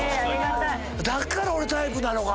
だから俺タイプなのか。